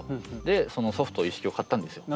でそのソフト一式を買ったんですよ。